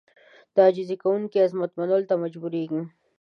د عاجزي کوونکي عظمت منلو ته مجبورېږي.